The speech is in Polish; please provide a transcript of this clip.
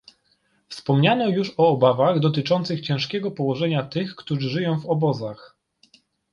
Wspomniano już o obawach dotyczących ciężkiego położenia tych, którzy żyją w obozach